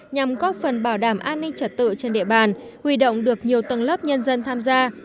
nhằm góp phần bảo đảm an ninh trật tự trên địa bàn huy động được nhiều tầng lớp nhân dân tham gia